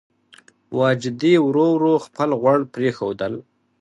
واجدې ورو ورو خپل غوړ پرېښودل.